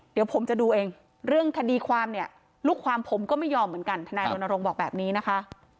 เดี๋ยวผมจะดูเองเรื่องคดีความเนี่ยลูกความผมก็ไม่ยอมเหมือนกันทนายรณรงค์บอกแบบนี้นะคะ